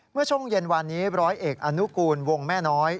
เมื่อช่วงเย็นวานนี้ร้อยเอกอนุกูลวงแม่น้อย